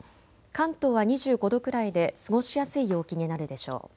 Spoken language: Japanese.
関東は２５度くらいで過ごしやすい陽気になるでしょう。